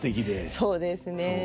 そうですね。